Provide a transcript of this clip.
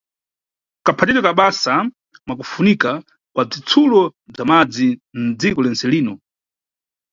Kaphatidwe ka basa mwakufunika ka bzitsulo bza madzi nʼdziko lentse lino.